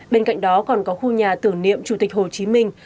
bên cạnh đó còn có khu nhà tưởng niệm chủ tịch hồ chí minh